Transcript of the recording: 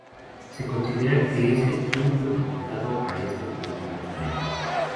Se considera que es el único dedicado a este producto en España.